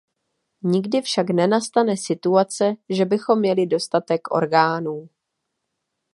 Nikdy však nenastane situace, že bychom měli dostatek orgánů.